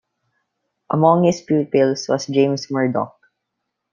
Among his pupils was James Murdoch.